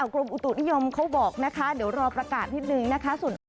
กรมอุตุนิยมเขาบอกนะคะเดี๋ยวรอประกาศนิดนึงนะคะ